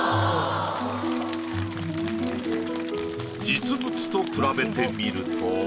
実物と比べてみると。